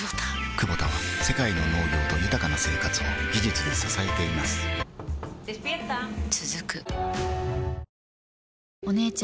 クボタは世界の農業と豊かな生活を技術で支えています起きて。